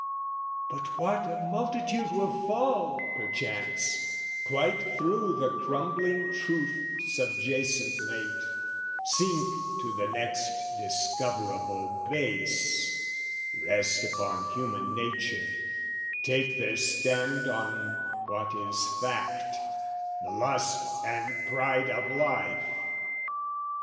But what a multitude will fall, perchance, Quite through the crumbling truth subjacent late, Sink to the next discoverable base, Rest upon human nature, take their stand On what is fact, the lust and pride of life!